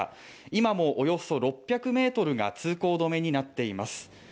今もおよそ６００ｍが通行止めになっています